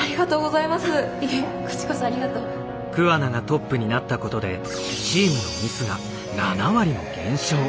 桑名がトップになったことでチームのミスが７割も減少。